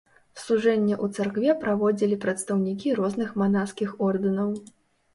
Служэнне ў царкве праводзілі прадстаўнікі розных манаскіх ордэнаў.